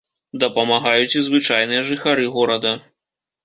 Дапамагаюць і звычайныя жыхары горада.